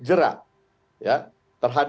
dan semoga berhasil